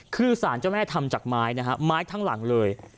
คือสารเจ้าแม่ทำจากไม้นะฮะไม้ทั้งหลังเลย